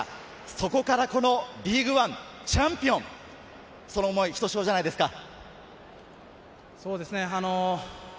そこからこのリーグワンチャンピオン、その思い、ひとしおじゃないですか？